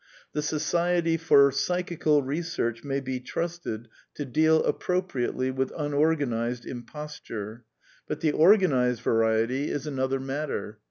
The Society for Psychical Ee search may be trusted to deal appropriately with unor ganized imposture; but the organized variety is another S64 A DEFENCE OF IDEALISM matter.